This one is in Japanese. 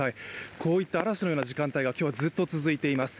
こういった嵐のような時間帯が今日はずっと続いています。